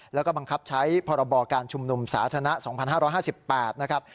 แล้วก็บังคับใช้พรบการชุมนุมสาธารณะ๒๕๕๘นะครับ